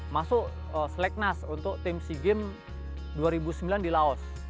masuk seleknas untuk tim sea games dua ribu sembilan di laos